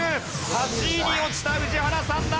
８位に落ちた宇治原さんだ！